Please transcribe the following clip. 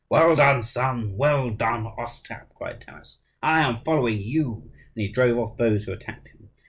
"Well done, son! Well done, Ostap!" cried Taras: "I am following you." And he drove off those who attacked him.